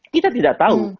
kita tidak tahu